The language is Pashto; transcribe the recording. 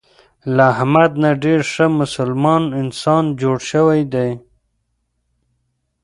له احمد نه ډېر ښه مسلمان انسان جوړ شوی دی.